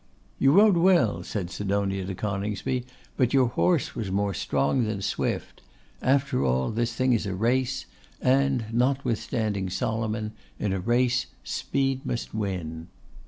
'You rode well,' said Sidonia to Coningsby; 'but your horse was more strong than swift. After all, this thing is a race; and, notwithstanding Solomon, in a race speed must win.